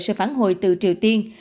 sự phản hồi từ triều tiên